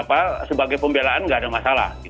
nah itu sebagai pembelaan tidak ada masalah